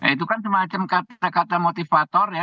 itu kan semacam kata kata motivator ya